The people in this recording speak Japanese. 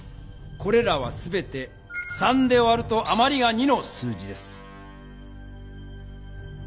これらはすべて３で割るとあまりが２の数字です。